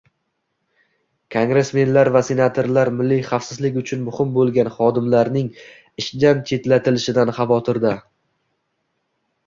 Kongressmenlar va senatorlar milliy xavfsizlik uchun muhim bo‘lgan xodimlarning ishdan chetlatilishidan xavotirda